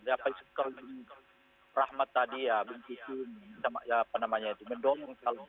dari apa yang sudah saya katakan rahmat tadiah binti suni apa namanya itu mendong